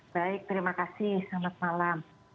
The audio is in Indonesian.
baik terima kasih selamat malam